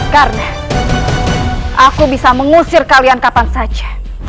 karena aku bisa mengusir kalian kapan saja